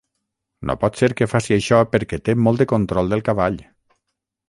No pot ser que faci això perquè té molt de control del cavall.